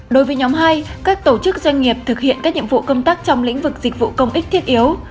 đối với nhóm hai các tổ chức doanh nghiệp thực hiện các nhiệm vụ công tác trong lĩnh vực dịch vụ công ích thiết yếu